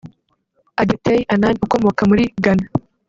Adjetey Annan ukomoka muri Ghana